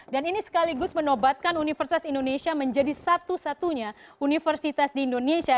dan ini sekaligus menobatkan universitas indonesia menjadi satu satunya universitas di indonesia